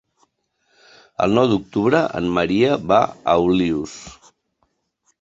El nou d'octubre en Maria va a Olius.